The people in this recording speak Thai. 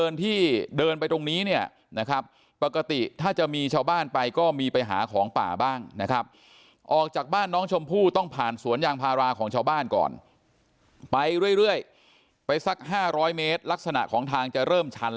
เนี่ยนะครับปกติถ้าจะมีชาวบ้านไปก็มีไปหาของป่าบ้างนะครับออกจากบ้านน้องชมพู่ต้องผ่านส่วนยางพาลาของชาวบ้านก่อนไปเรื่อยไปสัก๕๐๐เมตร